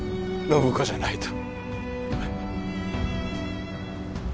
暢子じゃないと！